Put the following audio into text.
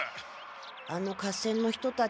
あの合戦の人たち。